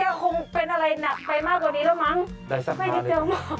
แกคงเป็นอะไรหนักไปมากกว่าดีแล้วมั้ง